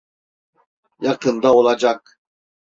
Yakında olacak.